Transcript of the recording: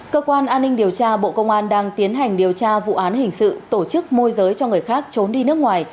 cơ quan an ninh điều tra bộ công an đang tiến hành điều tra vụ án hình sự tổ chức môi giới cho người khác trốn đi nước ngoài